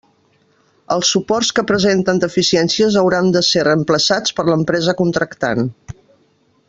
Els suports que presenten deficiències hauran de ser reemplaçats per l'empresa contractant.